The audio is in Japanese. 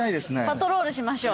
パトロールしましょう。